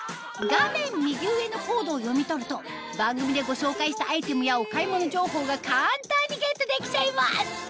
画面右上のコードを読み取ると番組でご紹介したアイテムやお買い物情報が簡単にゲットできちゃいます